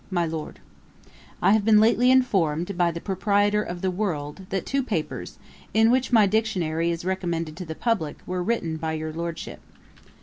'MY LORD, 'I have been lately informed, by the proprietor of the World, that two papers, in which my Dictionary is recommended to the publick, were written by your Lordship.